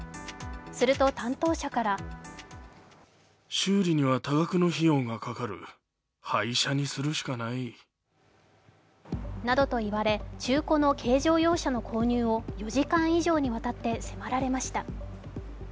すると担当者からなどと言われ中古の軽乗用車の購入を４時間以上にわたって迫られました。